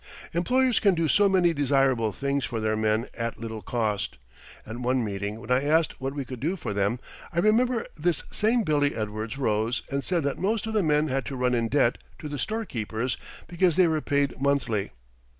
Employers can do so many desirable things for their men at little cost. At one meeting when I asked what we could do for them, I remember this same Billy Edwards rose and said that most of the men had to run in debt to the storekeepers because they were paid monthly.